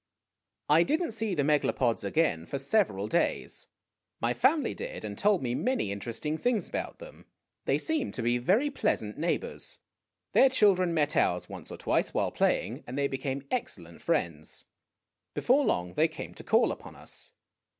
I did n't see the Megalopods again for several days. My family did, and told me many interesting things about them. They seemed to be very pleasant neighbors. Their children met ours once or twice, while playing, and they became excellent friends. Before long they came to call upon us.